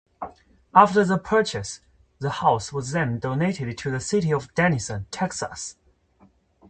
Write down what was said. After the purchase, the house was then donated to the city of Denison, Texas.